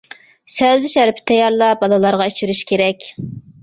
سەۋزە شەربىتى تەييارلاپ بالىلارغا ئىچۈرۈش كېرەك.